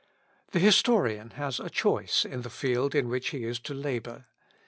The historian has a choice in the field in which he is to labour.